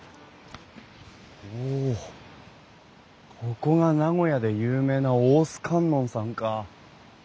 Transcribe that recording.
ここが名古屋で有名な大須観音さんか。